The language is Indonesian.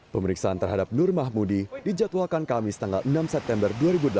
pemeriksaan terhadap nur mahmudi dijadwalkan kamis tanggal enam september dua ribu delapan belas